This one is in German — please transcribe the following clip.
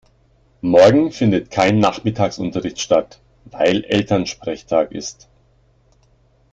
Morgen findet kein Nachmittagsunterricht statt, weil Elternsprechtag ist.